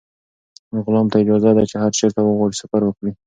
غلام ته اجازه ده چې هر چېرته وغواړي سفر وکړي.